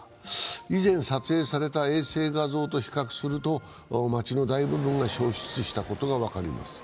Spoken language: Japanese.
以前撮影された衛星画像と比較すると街の大部分が焼失したことが分かります。